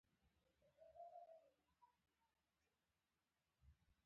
احمد له مستري سره پوزه توره کړې ده، نن سبا ځان استاد بولي.